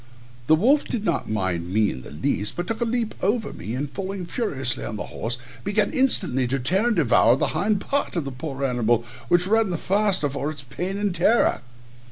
The wolf did not mind me in the least, but took a leap over me, and falling furiously on the horse, began instantly to tear and devour the hind part of the poor animal, which ran the faster for his pain and terror.